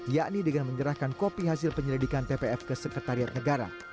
yakni dengan menyerahkan kopi hasil penyelidikan tpf ke sekretariat negara